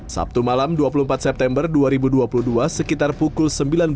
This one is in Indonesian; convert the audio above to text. sabtu malam dua puluh empat september dua ribu dua puluh dua sekitar pukul sembilan belas